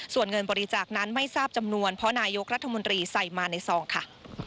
ส่วนเงินบริจาคนั้นไม่ทราบจำนวนเพราะนายกรัฐมนตรีใส่มาในซองค่ะ